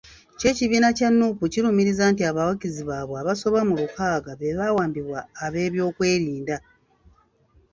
Kyo ekibiina kya Nuupu kirumiriza nti abawagizi baabwe abasoba mu lukaaga be baawambibwa ab'ebyokwerinda.